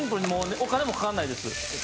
お金かからないです。